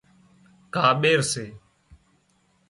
ڪاٻير سي